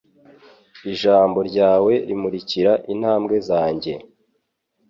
Ijambo ryawe rimurikira intambwe zanjye